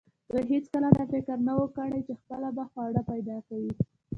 دوی هیڅکله دا فکر نه و کړی چې خپله به خواړه پیدا کوي.